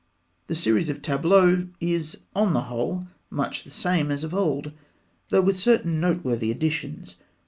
The series of tableaux is, on the whole, much the same as of old, though with certain noteworthy additions.